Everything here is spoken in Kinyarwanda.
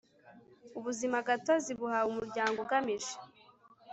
Ubuzimagatozi buhawe Umuryango Ugamije